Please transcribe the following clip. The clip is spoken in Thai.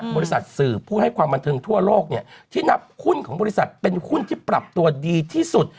สื่อผู้ให้ความบันเทิงทั่วโลกเนี่ยที่นับหุ้นของบริษัทเป็นหุ้นที่ปรับตัวดีที่สุด